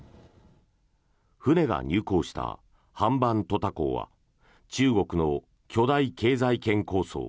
船が入港したハンバントタ港は中国の巨大経済圏構想